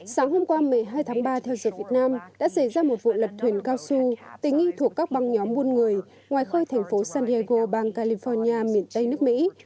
sáng hôm qua một mươi hai tháng ba theo giờ việt nam đã xảy ra một vụ lật thuyền cao su tính nghi thuộc các băng nhóm buôn người ngoài khơi thành phố sanriego bang california miền tây nước mỹ